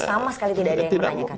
sama sekali tidak ada yang menanyakan